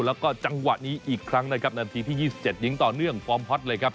แล้วก็จังหวะนี้อีกครั้งนะครับนาทีที่๒๗ยิงต่อเนื่องฟอร์มฮอตเลยครับ